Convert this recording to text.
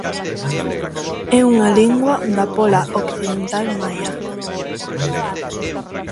É unha lingua da póla occidental maia.